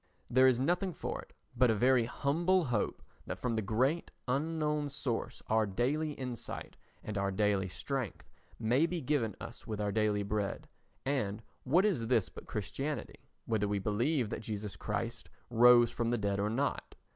There is nothing for it but a very humble hope that from the Great Unknown Source our daily insight and daily strength may be given us with our daily bread. And what is this but Christianity, whether we believe that Jesus Christ rose from the dead or not?